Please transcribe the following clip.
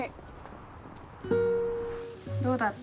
どうだった？